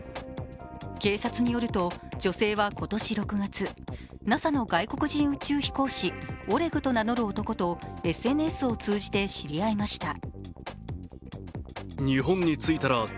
警察によると、女性は今年６月ＮＡＳＡの外国人宇宙飛行士オレグと名乗る男とＳＮＳを通じて知り合いました。